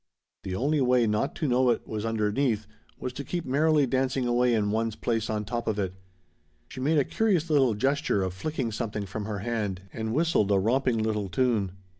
The only way not to know it was underneath was to keep merrily dancing away in one's place on top of it. She made a curious little gesture of flicking something from her hand and whistled a romping little tune.